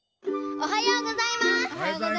おはようございます。